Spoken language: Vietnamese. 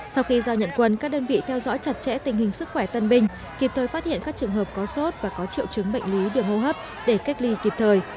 sau khi giao nhận quân các đơn vị theo dõi chặt chẽ tình hình sức khỏe tân binh kịp thời phát hiện các trường hợp có sốt và có triệu chứng bệnh lý đường hô hấp để cách ly kịp thời